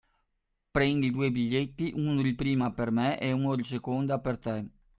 Prendi due biglietti, uno di prima per me e uno di seconda per te.